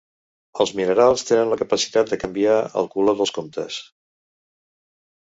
Els minerals tenen la capacitat de canviar el color dels comptes.